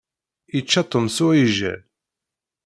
Yečča Tom s uɛijel.